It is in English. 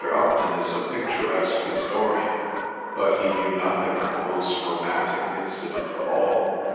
Upton is a picturesque historian but he knew nothing of the most romantic incident of all.